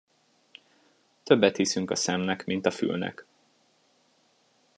Többet hiszünk a szemnek, mint a fülnek.